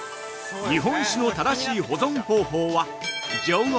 日本酒の正しい保存方法は常温？